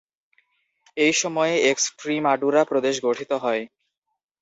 এই সময়েই এক্সট্রিমাডুরা প্রদেশ গঠিত হয়।